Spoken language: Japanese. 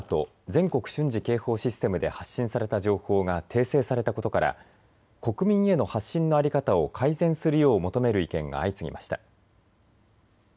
・全国瞬時警報システムで発信された情報が訂正されたことから国民への発信の在り方を改善するよう求める意見が相次ぎました。